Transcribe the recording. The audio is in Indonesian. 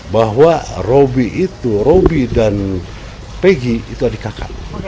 bahwa robby itu roby dan pegi itu adik kakak